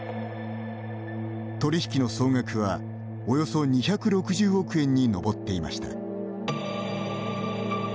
取り引きの総額は、およそ２６０億円に上っていました。